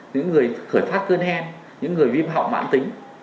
những người khởi phát cơn hen những người viêm họng mãn tính